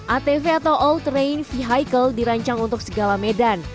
atv atau all train vehicle dirancang untuk segala medan